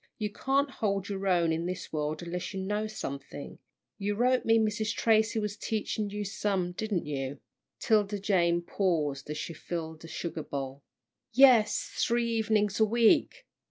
You can't hold your own in this world unless you know something. You wrote me Mrs. Tracy was teaching you some, didn't you?" 'Tilda Jane paused as she filled a sugar bowl. "Yes, three evenin's a week.